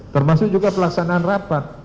termasuk juga pelaksanaan rapat